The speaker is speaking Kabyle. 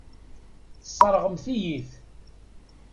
Tesseṛɣemt-iyi-t.